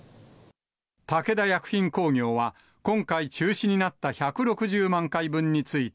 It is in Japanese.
武田薬品工業は、今回中止になった１６０万回分について、